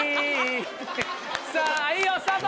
いいよスタート！